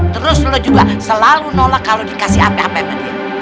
terus lu juga selalu nolak kalau dikasih hape hape sama dia